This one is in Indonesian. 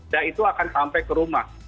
nah itu akan sampai ke rumah